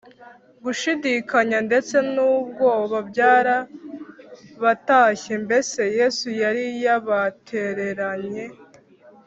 gushidikanya ndetse n’ubwoba byarabatashye mbese yesu yari yabatereranye?